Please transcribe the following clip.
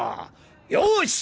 よし！